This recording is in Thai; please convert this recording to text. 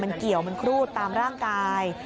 มันเกี่ยวมันครูดตามร่างกาย